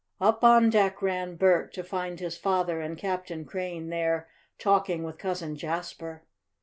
Up on deck ran Bert, to find his father and Captain Crane there talking with Cousin Jasper.